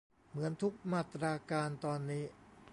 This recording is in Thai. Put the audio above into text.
เหมือนทุกมาตราการตอนนี้